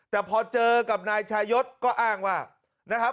แต่พอเจอกับนายชายศก็อ้างว่า